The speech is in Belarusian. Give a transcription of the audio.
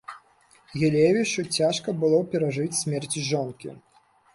Гілевічу цяжка было перажыць смерць жонкі.